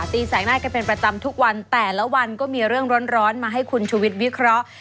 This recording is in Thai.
แสกหน้ากันเป็นประจำทุกวันแต่ละวันก็มีเรื่องร้อนมาให้คุณชุวิตวิเคราะห์